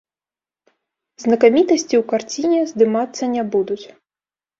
Знакамітасці ў карціне здымацца не будуць.